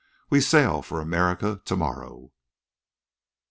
"We sail for America to morrow."